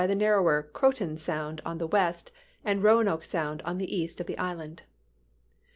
bv tlio naiTower Croatan Sound on the west and Roanoke Sound on the east of the island.